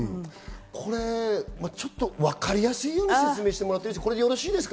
これわかりやすいように説明してもらっていいですか？